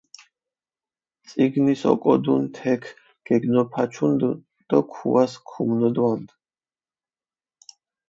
წინგის ოკოდუნ თექ გეგნოფაჩუნდჷ დო ქუას ქუმნოდვანდჷ.